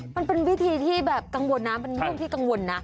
มันเป็นวิธีที่กังวลนะมันไม่อยู่ที่กังวลนะ